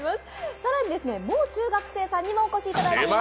更にもう中学生さんにもお越しいただいています。